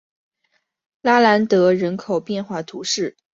拉兰德人口变化图示